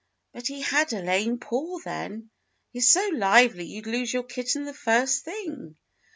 "But he had a lame paw then. He's so lively you 'd lose your kitten the first thing.